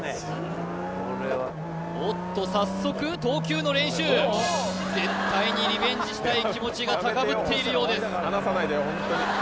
おっと早速投球の練習絶対にリベンジしたい気持ちが高ぶっているようです